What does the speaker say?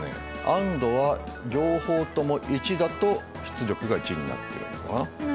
ＡＮＤは両方とも１だと出力が１になってるんだな。